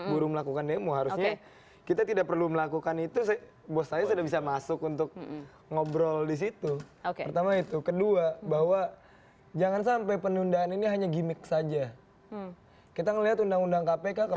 buruh melakukan demo harusnya kita tidak perlu melakukan itu bos saya sudah bisa masuk untuk ngobrol disitu pertama itu kedua bahwa jangan sampai penundaan ini hanya gimmick saja kita melihat undang undang kpk